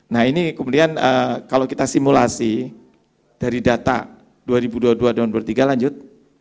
nah ini kemudian kalau kita simulasi dari data dua ribu dua puluh dua dua ribu dua puluh tiga lanjut